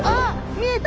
見えた！